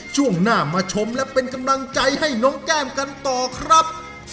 ช่วงหน้ามาชมและเป็นกำลังใจให้น้องแก้มกันต่อครับ